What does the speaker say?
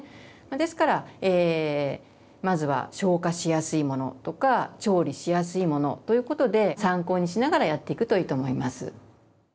ですからまずは消化しやすいものとか調理しやすいものということで参考にしながらやっていくといいと思います。